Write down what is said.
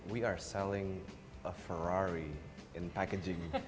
kita menjual ferrari dalam packaging